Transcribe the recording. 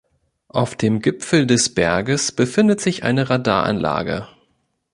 Auf dem Gipfel des Berges befindet sich eine Radaranlage.